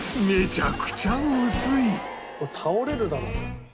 「倒れるだろこれ」